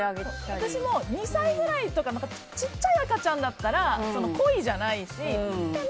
私も２歳ぐらいの小さい赤ちゃんだったら故意じゃないし。